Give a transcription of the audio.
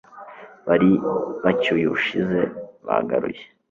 bari bacyuye ubushize bagaruye